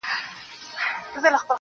چي سترگو ته يې گورم، وای غزل لیکي~